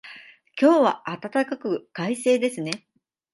今日は暖かく、快晴ですね。